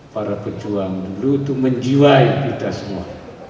para pejuang dulu itu menjiwai kita semua